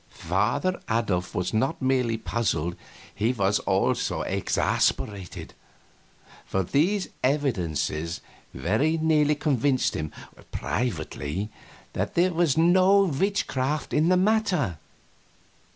Father Adolf was not merely puzzled, he was also exasperated; for these evidences very nearly convinced him privately that there was no witchcraft in the matter.